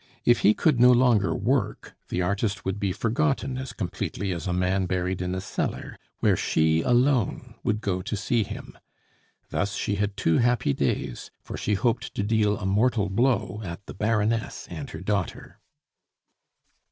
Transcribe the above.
If he could no longer work, the artist would be forgotten as completely as a man buried in a cellar, where she alone would go to see him. Thus she had two happy days, for she hoped to deal a mortal blow at the Baroness and her daughter.